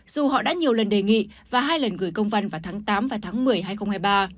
dù họ đã nhiều lần đề nghị và hai lần gửi công văn vào tháng tám và tháng một mươi hai nghìn hai mươi ba